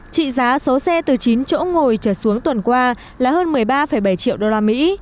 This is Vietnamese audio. trị giá số xe từ chín chỗ ngồi trở xuống tuần qua là hơn một mươi ba bảy triệu đô la mỹ